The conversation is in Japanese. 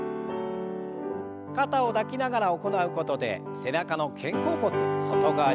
肩を抱きながら行うことで背中の肩甲骨外側にグッと広がります。